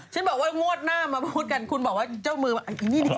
ฉันบอกว่างวดหน้ามาพูดกันคุณบอกว่าเจ้ามืออย่างงี้ดิ